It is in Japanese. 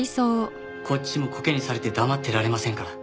こっちもコケにされて黙ってられませんから。